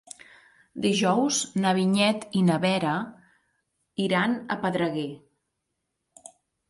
Dijous na Vinyet i na Vera iran a Pedreguer.